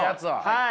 はい。